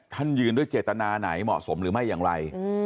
ยืนด้วยเจตนาไหนเหมาะสมหรือไม่อย่างไร